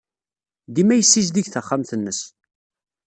Dima yessizdig taxxamt-nnes.